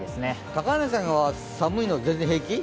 高柳さんは寒いの全然平気？